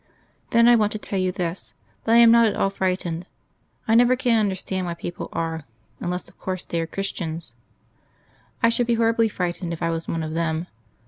"Then I want to tell you this that I am not at all frightened. I never can understand why people are unless, of course, they are Christians. I should be horribly frightened if I was one of them.